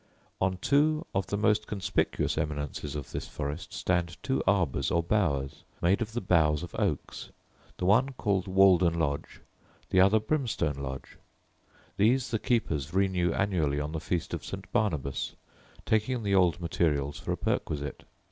On two of the most conspicuous eminences of this forest, stand two arbours or bowers, made of the boughs of oaks; the one called Waldon lodge, the other Brimstone lodge: these the keepers renew annually on the feast of St. Barnabas, taking the old materials for a perquisite.